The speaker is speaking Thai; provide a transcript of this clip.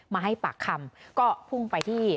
มาให้ปากคำก็พุ่งไปที่